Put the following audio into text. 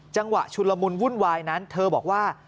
จังหวะชุนละมุนวุ่นวายนั้นเธอบอกว่า